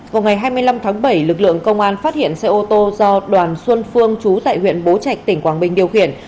vào ngày hai mươi năm tháng bảy lực lượng công an phát hiện xe ô tô do đoàn xuân phương chú tại huyện bố trạch tỉnh quảng bình điều khiển